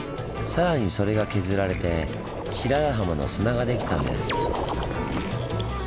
さらにそれが削られて白良浜の砂ができたんです。